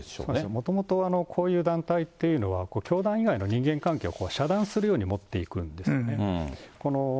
もともと、こういう団体っていうのは、教団以外の人間関係を遮断するようにもっていくんですね。